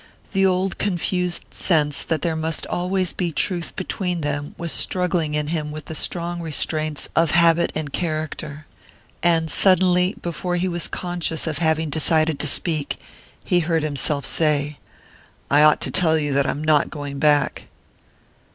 The old confused sense that there must always be truth between them was struggling in him with the strong restraints of habit and character; and suddenly, before he was conscious of having decided to speak, he heard himself say: "I ought to tell you that I am not going back."